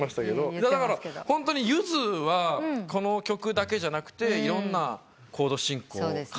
だからホントにゆずはこの曲だけじゃなくていろんなコード進行をかなり。